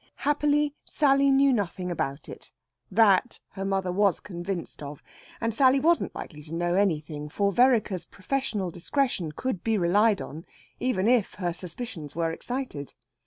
Happily Sally knew nothing about it; that her mother was convinced of. And Sally wasn't likely to know anything, for Vereker's professional discretion could be relied on, even if her suspicions were excited.